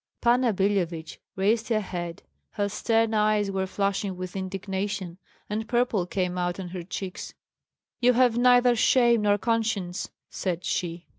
Panna Billevich raised her head; her stern eyes were flashing with indignation, and purple came out on her cheeks. "You have neither shame nor conscience!" said she.